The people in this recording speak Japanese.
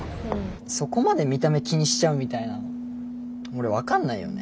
そこまで見た目気にしちゃうみたいなの俺分かんないよね。